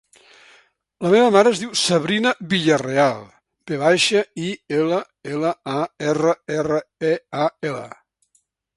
La meva mare es diu Sabrina Villarreal: ve baixa, i, ela, ela, a, erra, erra, e, a, ela.